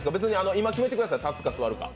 今決めてください、立つか座るか。